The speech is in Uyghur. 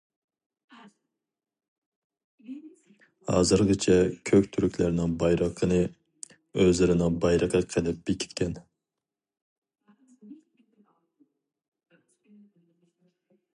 ھازىرغىچە كۆك تۈركلەرنىڭ بايرىقىنى ئۆزلىرىنىڭ بايرىقى قىلىپ بېكىتكەن.